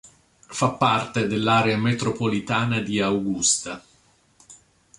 Fa parte dell'area metropolitana di Augusta.